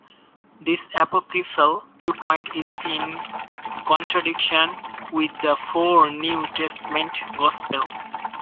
This apocryphal viewpoint is in contradiction with the four New Testament gospels.